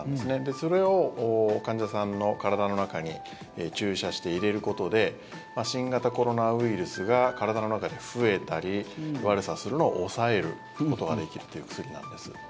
それを患者さんの体の中に注射して入れることで新型コロナウイルスが体の中で増えたり悪さするのを抑えることができるという薬なんです。